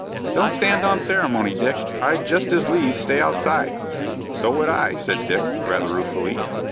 "Don't stand on ceremony, Dick. I'd just as lieves stay outside." "So would I," said Dick, rather ruefully.